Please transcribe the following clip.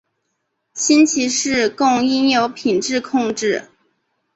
新奇士供应有品质控制。